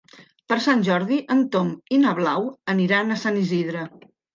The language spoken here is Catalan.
Per Sant Jordi en Tom i na Blau aniran a Sant Isidre.